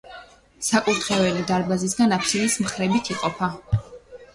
საკურთხეველი დარბაზისგან აბსიდის მხრებით იყოფა.